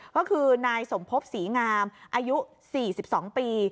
ก็คือนายสมภพศรีงามอายุ๔๒ปี